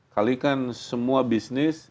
kalikan semua bisnis